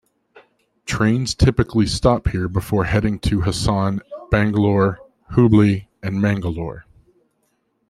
Trains typically stop here before heading to Hassan, Bangalore, Hubli, and Mangalore.